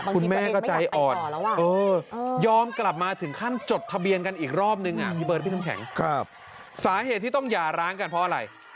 คุณแม่ก็ใจอ่อนยอมกลับมาถึงขั้นจดทะเบียนกันอีกรอบนึงพี่เบิร์ดพี่น้ำแข็งสาเหตุที่ต้องหย่าร้างกันเพราะอะไร